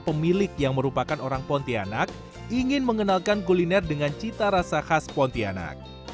pemilik yang merupakan orang pontianak ingin mengenalkan kuliner dengan cita rasa khas pontianak